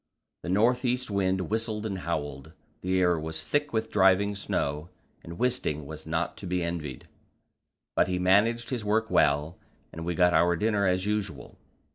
The north east wind whistled and howled, the air was thick with driving snow, and Wisting was not to be envied. But he managed his work well, and we got our dinner as usual.